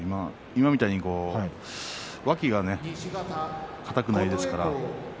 今みたいに脇が固くないですから。